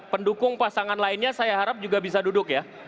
pendukung pasangan lainnya saya harap juga bisa duduk ya